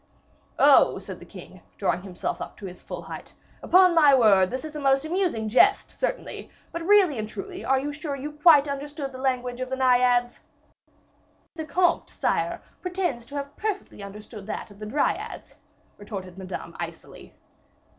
"Oh," said the king, drawing himself up to his full height, "upon my word, that is a most amusing jest, certainly; but, really and truly, are you sure you quite understood the language of the Naiads?" "The comte, sire, pretends to have perfectly understood that of the Dryads," retorted Madame, icily.